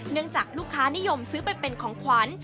จากลูกค้านิยมซื้อไปเป็นของขวัญ